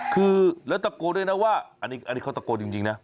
คือแล้วตะโกนด้วยนะว่าอันนี้เขาตะโกนจริงนะ